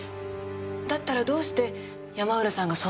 だったらどうして山浦さんがそんな場所に？